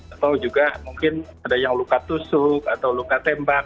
atau juga mungkin ada yang luka tusuk atau luka tembak